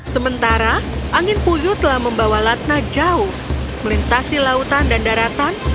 sementara angin puyuh telah membawa latna jauh melintasi lautan dan daratan